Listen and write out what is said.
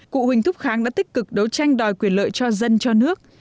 cụ huỳnh thúc kháng đã tích cực đấu tranh đòi quyền lợi cho dân cho nước